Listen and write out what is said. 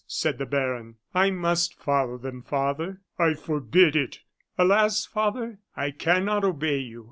said the baron. "I must follow them, father." "I forbid it." "Alas! father, I cannot obey you.